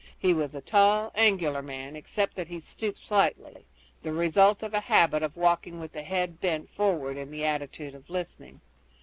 He was a tall, angular man, except that he stooped slightly, the result of a habit of walking with the head bent forward in the attitude of listening.